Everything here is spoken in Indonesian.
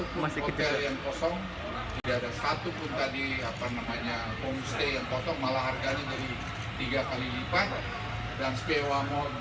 gubernurnya kan tidak ada satupun hotel yang kosong